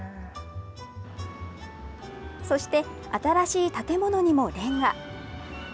そして、新しい建物にもれんが。